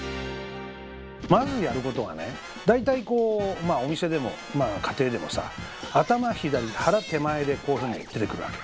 まずやることはね大体こうお店でもまあ家庭でもさ頭左腹手前でこういうふうに出てくるわけ。